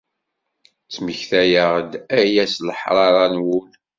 Ttmektayeɣ-d aya s leḥṛaṛa n wul.